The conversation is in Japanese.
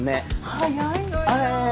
速いのよ！